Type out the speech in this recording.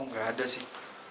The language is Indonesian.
oh nggak ada sih